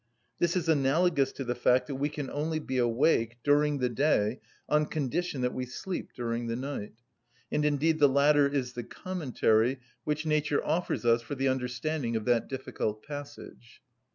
This is analogous to the fact that we can only be awake during the day on condition that we sleep during the night; indeed the latter is the commentary which nature offers us for the understanding of that difficult passage.